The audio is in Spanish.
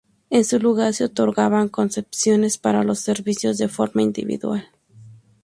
En su lugar, se otorgaban concesiones para los servicios de forma individual.